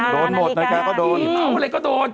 โดนหมดนาฬิกาก็โดน